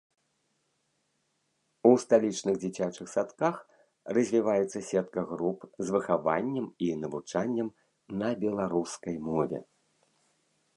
У сталічных дзіцячых садках развіваецца сетка груп з выхаваннем і навучаннем на беларускай мове.